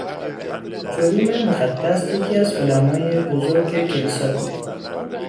جروم مقدس یکی از علمای بزرگ کلیسا بود.